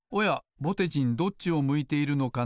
ぼてじんどっちを向いているのかな？